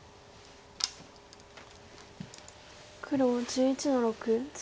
黒１１の六ツギ。